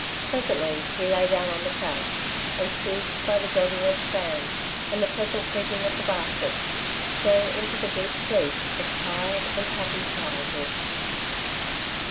Presently he lay down on the couch, and, soothed by the jogging of the van and the pleasant creaking of the baskets, fell into the deep sleep of tired and happy childhood.